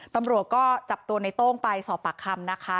ตำรวจก็จับตัวในโต้งไปสอบปากคำนะคะ